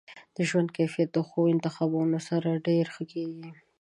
د ژوند کیفیت د ښو انتخابونو سره ډیر ښه کیږي.